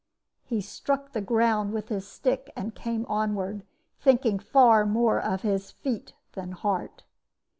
He struck the ground with his stick and came onward, thinking far more of his feet than heart.